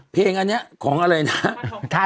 เพลงอันนี้ของอะไรนะ